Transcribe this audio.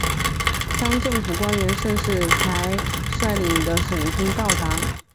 当政府官员盛世才率领的省军到达。